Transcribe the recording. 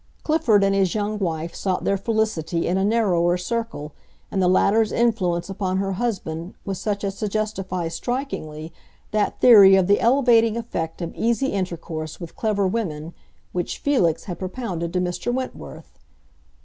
Clifford and his young wife sought their felicity in a narrower circle, and the latter's influence upon her husband was such as to justify, strikingly, that theory of the elevating effect of easy intercourse with clever women which Felix had propounded to Mr. Wentworth.